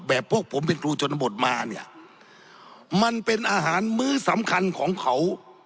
พวกผมเป็นครูชนบทมาเนี่ยมันเป็นอาหารมื้อสำคัญของเขา